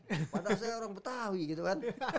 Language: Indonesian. padahal saya orang betawi gitu kan